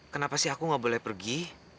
kenapa sih aku nggak boleh pergi